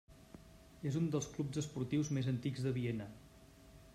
És un dels clubs esportius més antics de Viena.